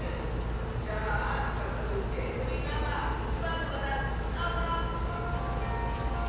じゃあさっそくエントリーナンバー１ばんのかたどうぞ！